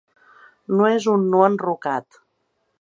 No és un no enrocat.